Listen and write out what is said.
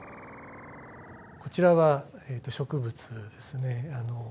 こちらは植物ですね。